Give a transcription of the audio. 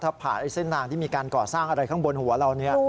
ถ้าผ่านเส้นทางที่มีการก่อสร้างอะไรข้างบนหัวเราเนี่ย